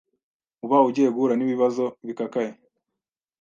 uba ugiye guhura n’ibibazo bikakaye